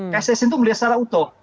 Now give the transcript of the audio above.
kssn itu melihat secara utuh